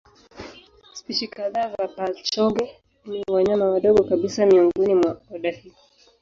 Spishi kadhaa za paa-chonge ni wanyama wadogo kabisa miongoni mwa oda hii.